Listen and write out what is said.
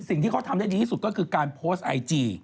สิ่งที่เขาทำได้ดีที่สุดก็คือการโพสต์ไอจี